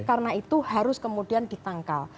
karena itu harus kemudian ditangkal